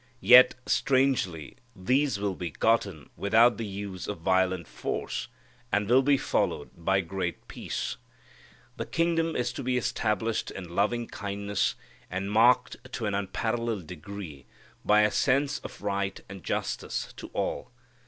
Yet, strangely, these will be gotten without the use of violent force, and will be followed by great peace. The kingdom is to be established in loving kindness and marked to an unparalleled degree by a sense of right and justice to all.